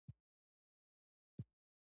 راکټ انسان ته د نورو سیارو لید ممکن کوي